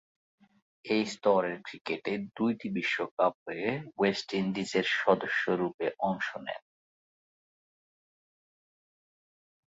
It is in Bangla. এ স্তরের ক্রিকেটে দুইটি বিশ্বকাপে ওয়েস্ট ইন্ডিজের সদস্যরূপে অংশ নেন।